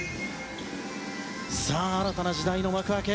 さあ、新たな時代の幕開け